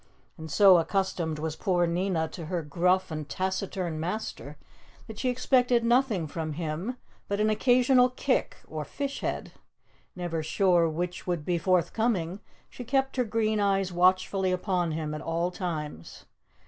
And so accustomed was poor Nina to her gruff and taciturn master that she expected nothing from him but an occasional kick or fish head. Never sure which would be forthcoming, she kept her green eyes watchfully upon him at all times.